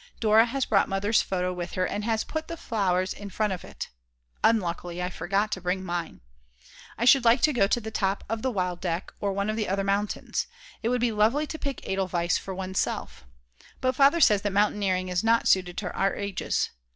Dora has brought Mother's photo with her and has put the flowers in front of it; unluckily I forgot to bring mine. I should like to go to the top of the Wildeck or one of the other mountains. It would be lovely to pick Edelweiss for oneself. But Father says that mountaineering is not suited to our ages.